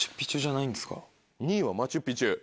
２位はマチュ・ピチュ。